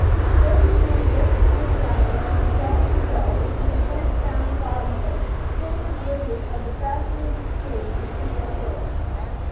Slowly the man worked his way downward, from shelf to shelf, and began to sound the bottom plates, wholly oblivious of the fascinated gaze of the two young girls.